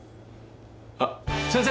あっ先生！